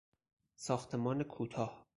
ساختمان کوتاه